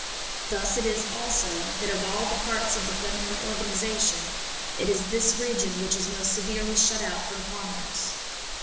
Thus it is, also, that of all parts of the feminine organization it is this region which is most severely shut out from commerce."